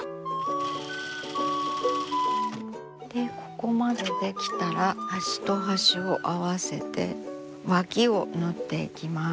でここまで出来たら端と端を合わせて脇を縫っていきます。